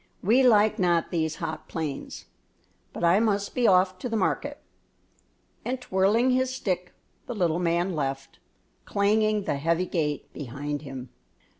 We like not these hot plains; but I must be off to the market," and, twirling his stick, the little man left, clanging the heavy gate behind him.